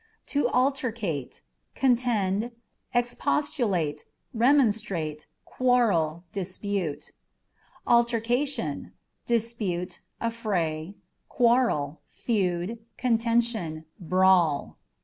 To Altercate â€" contend, expostulate, remonstrate, quarrel, dispute. Altercation â€" dispute, affray, quarrel, feud, contention, brawl.